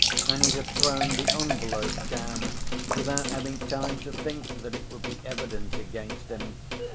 And he'd have thrown the envelope down, without having time to think that it would be evidence against him.